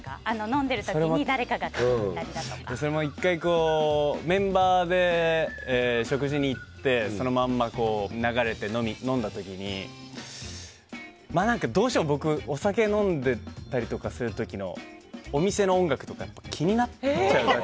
飲んでる時にそれも１回メンバーで食事に行ってそのまま、流れて飲んだ時にどうしても僕お酒飲んでたりとかする時のお店の音楽とか気になっちゃうんで。